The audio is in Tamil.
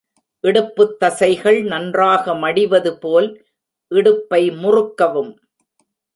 இடுப்புத் தசைகள் நன்றாக மடிவது போல் இடுப்பை முறுக்கவும்.